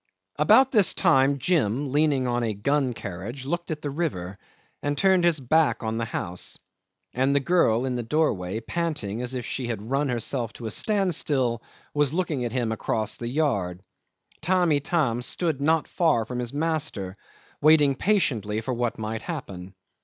'About this time Jim, leaning on a gun carriage, looked at the river, and turned his back on the house; and the girl, in the doorway, panting as if she had run herself to a standstill, was looking at him across the yard. Tamb' Itam stood not far from his master, waiting patiently for what might happen.